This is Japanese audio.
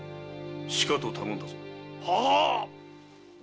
しかと頼んだぞ。